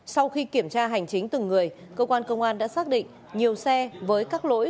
sau khi kiểm tra hành chính từng người cơ quan công an đã xác định nhiều xe với các lỗi